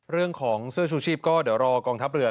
เรื่องของเสื้อชูชีพก็เดี๋ยวรอกองทัพเรือ